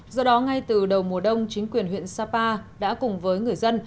do đó ngay từ đầu mùa đông chính quyền huyện sapa đã cùng với người dân